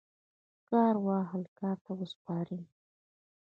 کار و اهل کار ته وسپارئ